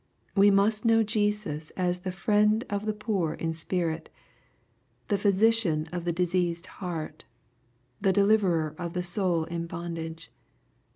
We must know Jesus as the Friend of the poor in spirit, the Physician of the diseased heart, the deliverer of the soul in bondage.